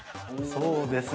◆そうですね